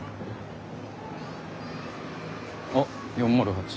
あっ４０８。